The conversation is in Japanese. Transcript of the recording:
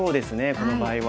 この場合は。